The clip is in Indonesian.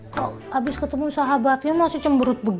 kok abis ketemu sahabatnya masih cemberut begini